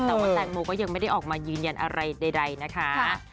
แต่ว่าแตงโมก็ยังไม่ได้ออกมายืนยันอะไรใดนะคะ